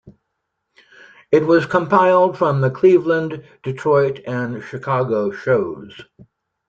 It was compiled from the Cleveland, Detroit and Chicago shows.